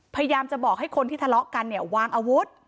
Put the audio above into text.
พยายามจะบอกให้คนที่ทะเลาะกันเนี่ยวางอาวุธ